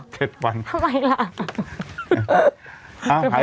ทำไมละ